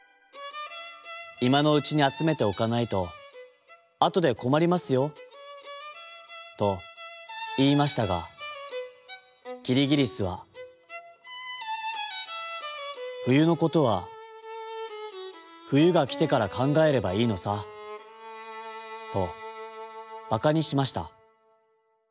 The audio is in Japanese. いまのうちにあつめておかないとあとでこまりますよ」といいましたがキリギリスは「ふゆのことはふゆがきてからかんがえればいいのさ」とばかにしました。